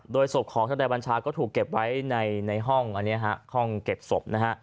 โดยศพของทนายบัญชาก็ถูกเก็บไว้ในห้องเก็บศพ